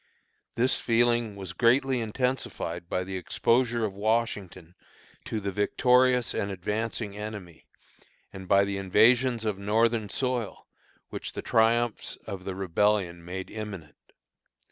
This feeling was greatly intensified by the exposure of Washington to the victorious and advancing enemy, and by the invasions of Northern soil, which the triumphs of the Rebellion made imminent.